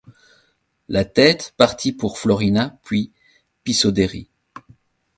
La tête partit pour Florina puis Pisodheri.